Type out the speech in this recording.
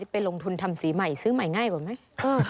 ไปลงทุนทำสีใหม่ซื้อใหม่ง่ายกว่าไหม